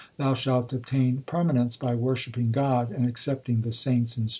Thou shalt obtain permanence 2 by worshipping God and accepting the saints instruction.